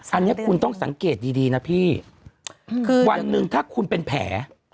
อันนี้คุณต้องสังเกตดีดีนะพี่คือวันหนึ่งถ้าคุณเป็นแผล